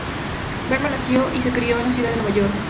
Berman nació y se crio en la ciudad de Nueva York.